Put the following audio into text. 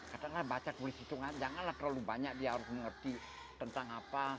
katakanlah baca tulis hitungan janganlah terlalu banyak dia harus mengerti tentang apa